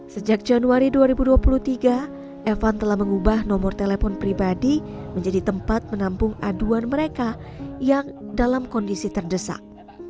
sejak januari dua ribu dua puluh tiga evan telah mengubah nomor telepon pribadi menjadi tempat menampung aduan mereka yang dalam kondisi terdesak